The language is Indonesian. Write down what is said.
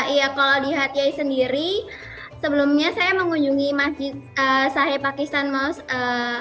iya kalau di hatyai sendiri sebelumnya saya mengunjungi masjid sahe pakistan most